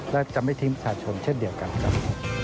และจะไม่ทิ้งประชาชนเช่นเดียวกันครับ